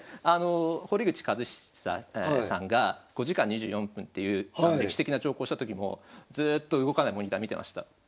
堀口一史座さんが５時間２４分っていう歴史的な長考した時もずっと動かないモニター見てました。